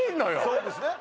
そうですね